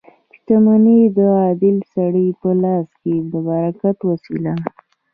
• شتمني د عادل سړي په لاس کې د برکت وسیله ده.